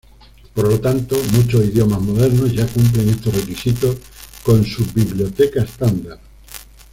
Por lo tanto, muchos idiomas modernos ya cumplen estos requisitos con su biblioteca estándar.